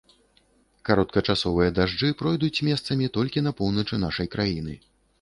Кароткачасовыя дажджы пройдуць месцамі толькі на поўначы нашай краіны.